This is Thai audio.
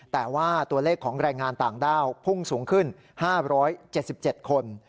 แต่ว่าตัวเลขของแรงงานต่างด้าวพุ่งสูงขึ้น๕๗๗คน